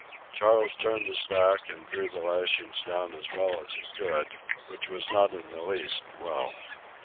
Charles turned his back and drew the lashings down as well as he could, which was not in the least well.